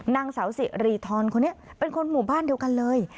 นางสาวสิริธรคนนี้เป็นคนหมู่บ้านเดียวกันเลย